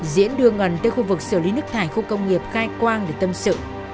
diễn đưa ngân tới khu vực xử lý nước thải khu công nghiệp khai quang để tâm sự